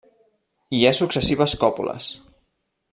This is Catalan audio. Hi ha successives còpules.